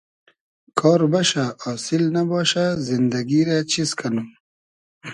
کار بئشۂ آسیل نئباشۂ زیندئگی رۂ چیز کئنوم